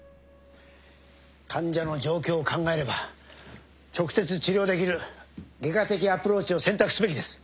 患者の状況を考えれば直接治療できる外科的アプローチを選択すべきです。